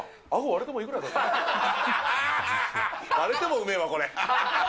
割れてもうめえわ、これ。